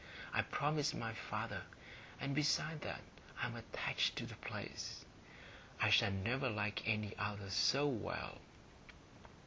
I promised my father; and besides that, I'm attached to the place. I shall never like any other so well.